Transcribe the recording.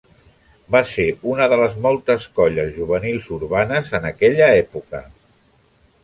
Va ser una de les moltes colles juvenils urbanes en aquella època.